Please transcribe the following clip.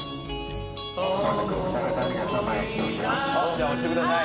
じゃ押してください。